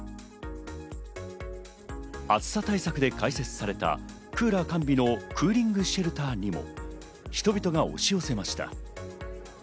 暑さ対策で開設されたクーラー完備のクーリングシェルターにも人々が押し寄せました。